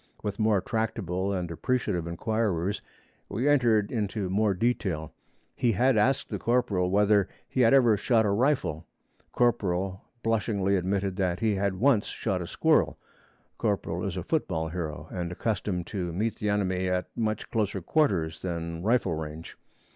With more tractable and appreciative inquirers we entered into more detail. He had asked the corporal whether he had ever shot a rifle: corporal blushingly admitted that he had once shot a squirrel. (Corporal is a football hero, and accustomed to meet the enemy at much closer quarters than rifle range.